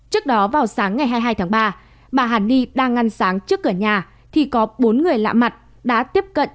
trước đó vào sáng ngày hai mươi hai tháng ba bà hằng li đang ngăn sáng trước cửa nhà thì có bốn người lạ mặt đã tiếp cận